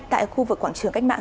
tại khu vực quảng trường cách mạng